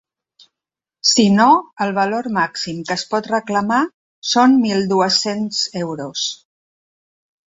Si no, el valor màxim que es pot reclamar són mil dues-centes euros.